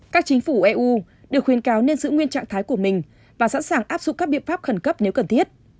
các chính phủ eu được khuyên cáo nên giữ nguyên trạng thái của mình và sẵn sàng áp dụng các biện pháp khẩn cấp nếu cần thiết